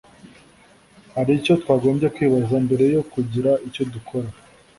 haricyo twagombye kwibaza mbere yo kugira icyo dukora